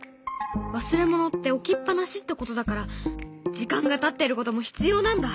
忘れ物って置きっ放しってことだから時間がたってることも必要なんだ。